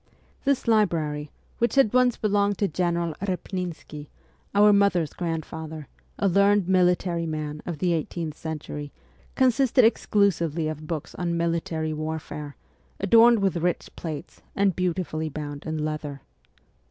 This library, which had once belonged to General Eepninsky, our mother's grandfather, a learned military man of the eighteenth century, consisted exclusively of books on military warfare, adorned with rich plates and beautifully bound in leather.